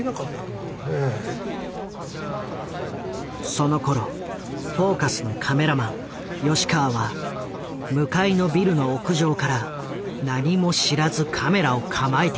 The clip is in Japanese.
そのころ「フォーカス」のカメラマン吉川は向かいのビルの屋上から何も知らずカメラを構えていた。